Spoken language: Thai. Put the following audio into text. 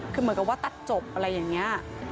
คือเหมือนกับว่าตัดจบอะไรอย่างนี้